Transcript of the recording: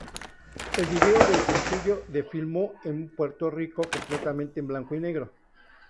El vídeo del sencillo de filmó en Puerto Rico, completamente en blanco y negro.